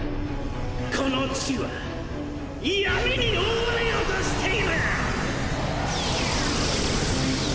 この地は闇に覆われようとしている！